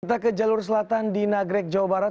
kita ke jalur selatan di nagrek jawa barat